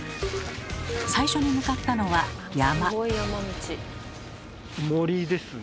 最初に向かったのは山。